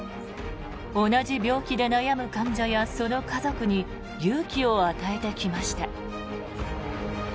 同じ病気で悩む患者やその家族に勇気を与えてきました。